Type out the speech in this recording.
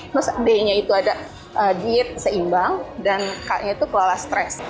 terus d nya itu ada diet seimbang dan k nya itu kelola stres